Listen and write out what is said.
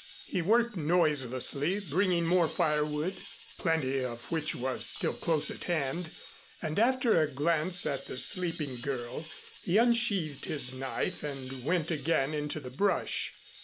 He worked noiselessly, bringing more firewood, plenty of which was still close at hand; and after a glance at the sleeping girl, he unsheathed his knife and went again into the brush.